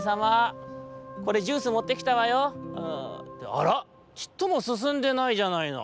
あらちっともすすんでないじゃないの。